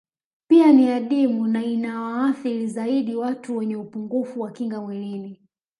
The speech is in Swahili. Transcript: Pia ni adimu na inawaathiri zaidi watu wenye upungufu wa kinga mwili